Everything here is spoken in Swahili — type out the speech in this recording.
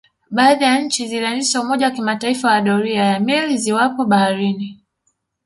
Baadhi ya nchi zilianzisha umoja wa kimataifa wa doria ya meli ziwapo baharini